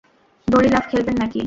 দড়ি লাফ খেলবেন না-কি?